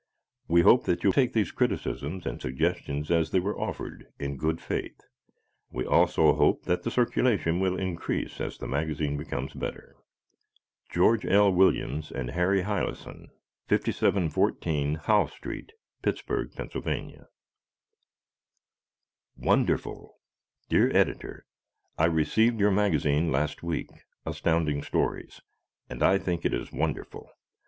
We hope that you take these criticisms and suggestions, as they were offered, in good faith. We also hope that the circulation will increase as the magazine becomes better. George L. Williams and Harry Heillisan, 5714 Howe St., Pittsburgh, Pa. "Wonderful" Dear Editor: I received your magazine last week, Astounding Stories, and I think it is wonderful.